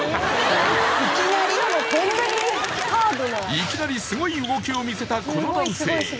いきなりスゴい動きを見せたこの男性